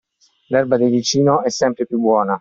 L'erba del vicino è sempre più buona.